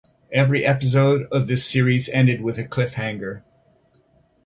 Every episode of this series ended with a cliffhanger.